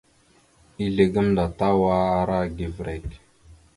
Izle gamnda Tawara givirek a.